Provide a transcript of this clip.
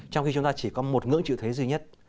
trong khi chúng ta chỉ có một ngưỡng trịu thuế duy nhất